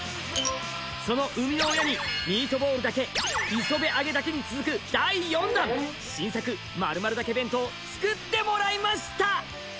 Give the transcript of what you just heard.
その生みの親にミートボールだけ磯辺揚げだけに続く第４弾新作○○だけ弁当つくってもらいました